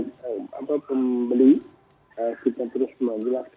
kita terus menjelaskan kepada masyarakat bahwa memang kondisinya seperti ini dan kita harus menghadapinya